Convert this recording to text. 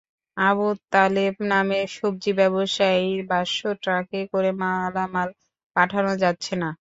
আবু তালেব নামের সবজি ব্যবসায়ীর ভাষ্য, ট্রাকে করে মালামাল পাঠানো যাচ্ছে না।